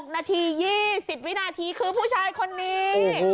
นาที๒๐วินาทีคือผู้ชายคนนี้